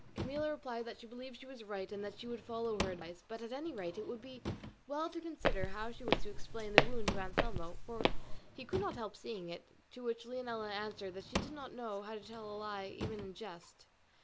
Camilla replied that she believed she was right and that she would follow her advice, but at any rate it would be well to consider how she was to explain the wound to Anselmo, for he could not help seeing it; to which Leonela answered that she did not know how to tell a lie even in jest.